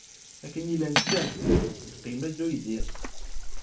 Akken llan ččan, yeqqim-d uydi.